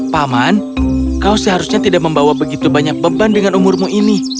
paman kau seharusnya tidak membawa begitu banyak beban dengan umurmu ini